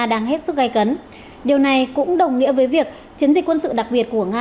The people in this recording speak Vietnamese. đang hết sức gây cấn điều này cũng đồng nghĩa với việc chiến dịch quân sự đặc biệt của nga